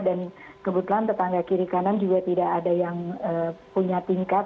dan kebetulan tetangga kiri kanan juga tidak ada yang punya tingkat